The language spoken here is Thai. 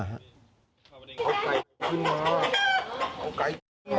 เอาไก่ขึ้นมา